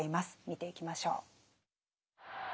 見ていきましょう。